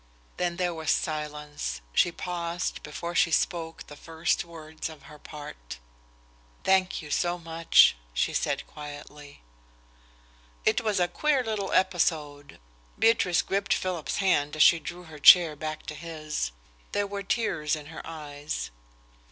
Then there was silence. She paused before she spoke the first words of her part. "Thank you so much," she said quietly. It was a queer little episode. Beatrice gripped Philip's hand as she drew her chair back to his. There were tears in her eyes.